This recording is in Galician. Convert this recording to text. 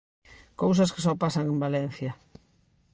Cousas que só pasan en Valencia.